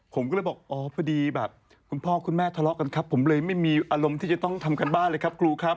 ผมก็เลยบอกอ๋อพอดีแบบคุณพ่อคุณแม่ทะเลาะกันครับผมเลยไม่มีอารมณ์ที่จะต้องทำการบ้านเลยครับครูครับ